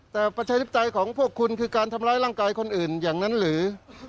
แต่ประชาธิปไตยของพวกคุณคือการทำร้ายร่างกายคนอื่นอย่างนั้นหรือ